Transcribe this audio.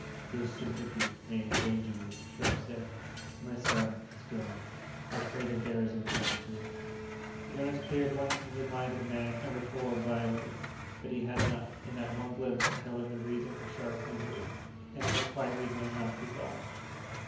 "Your sympathy may endanger you," Scharpe said. "My son is gone; I pray that there is an end to it." Jonas peered once into the mind of the man, and recoiled violently; but he had enough, in that one glimpse, to tell him the reason for Scharpe's misery. And it was quite reason enough, he thought.